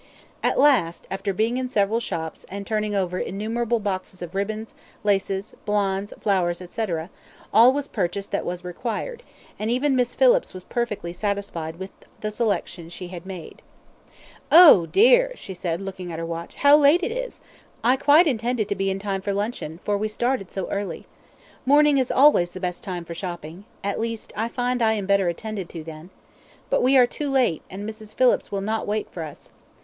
At last, after being in several shops, and turning over innumerable boxes of ribbons, laces, blondes, flowers, &c., all was purchased that was required, and even Miss Phillips was perfectly satisfied with the selection she had made. "Oh, dear!" said she, looking at her watch, "how late it is! I quite intended to be in time for luncheon, for we started so early. Morning is always the best time for shopping at least, I find I am better attended to then. But we are too late, and Mrs. Phillips will not wait for us.